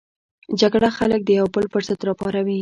جګړه خلک د یو بل پر ضد راپاروي